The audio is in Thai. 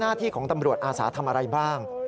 หน้าที่ของตำรวจอาสาทำอะไรบ้าง